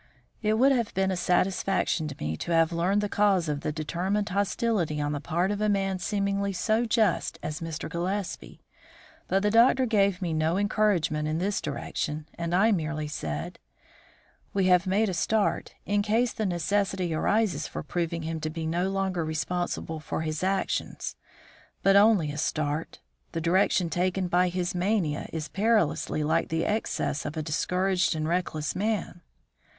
It would have been a satisfaction to me to have learned the cause of the determined hostility on the part of a man seemingly so just as Mr. Gillespie; but the doctor gave me no encouragement in this direction, and I merely said: "We have made a start in case the necessity arises for proving him to be no longer responsible for his actions. But only a start. The direction taken by his mania is perilously like the excesses of a discouraged and reckless man."